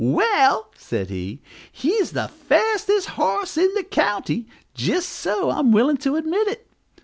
"Well," said he, "he's the fastest horse in the county jist so I'm willin' to admit it.